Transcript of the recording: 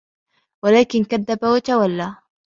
وَلكِن كَذَّبَ وَتَوَلّى